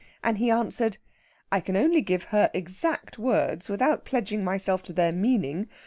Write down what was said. And he answered, 'I can only give her exact words without pledging myself to their meaning.